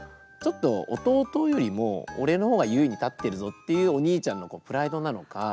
ちょっと弟よりもオレの方が優位に立ってるぞっていうお兄ちゃんのプライドなのか。